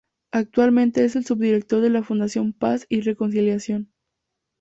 Actualmente es el subdirector de la fundación "Paz y Reconciliación".